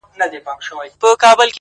په ځان وهلو باندي ډېر ستړی سو’ شعر ليکي’